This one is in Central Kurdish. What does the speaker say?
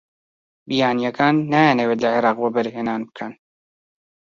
بیانییەکان نایانەوێت لە عێراق وەبەرهێنان بکەن.